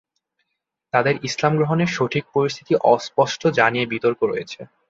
তাদের ইসলাম গ্রহণের সঠিক পরিস্থিতি অস্পষ্ট যা নিয়ে বিতর্ক রয়েছে।